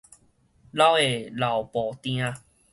老的老步定